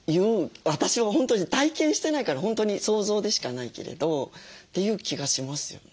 私は本当に体験してないから本当に想像でしかないけれどっていう気がしますよね。